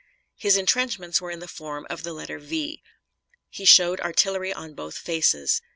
His intrenchments were in the form of the letter V. He showed artillery on both faces.